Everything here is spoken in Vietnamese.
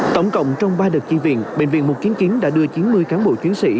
tổng cộng trong ba đợt chi viện bệnh viện mục kiếm kiếm đã đưa chín mươi cán bộ chuyến sĩ